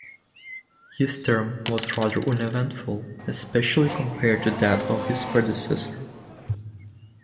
His term was rather uneventful, especially compared to that of his predecessor.